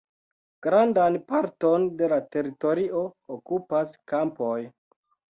Grandan parton de la teritorio okupas kampoj.